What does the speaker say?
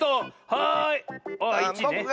はい！